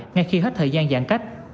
ngay khi hết thời gian giãn cách